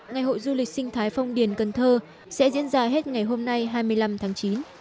ngày hội du lịch sinh thái phong điền cần thơ sẽ diễn ra hết ngày hôm nay hai mươi năm tháng chín